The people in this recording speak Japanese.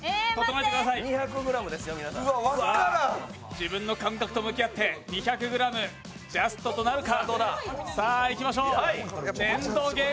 自分の感覚と向き合って、２００ｇジャストとなるか。